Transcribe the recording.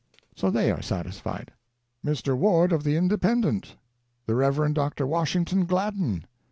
So they are satisfied. Mr. Ward, of the Independent. The Rev. Dr. Washington Gladden.